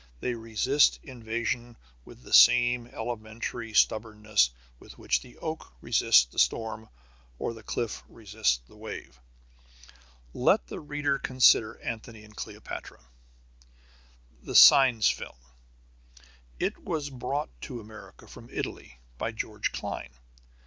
They resist invasion with the same elementary stubbornness with which the oak resists the storm or the cliff resists the wave. Let the reader consider Antony and Cleopatra, the Cines film. It was brought to America from Italy by George Klein.